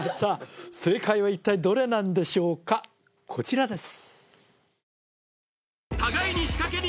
正解は一体どれなんでしょうかこちらです